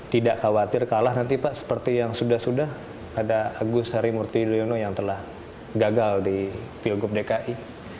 tidak khawatir kalah nanti pak seperti yang sudah sudah ada agus harimurti yudhoyono yang telah gagal di pilgub dki